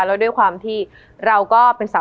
แล้วด้วยความที่เราก็เป็นสาว